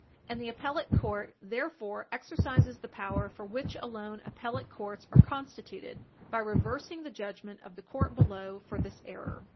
And the appellate court therefore exercises the power for which alone appellate courts are constituted, by reversing the judgment of the court below for this error.